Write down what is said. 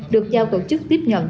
được giao tổ chức tiếp nhận